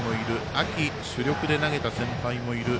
秋、主力で投げた先輩もいる。